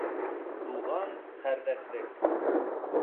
Туған-ҡәрҙәшлек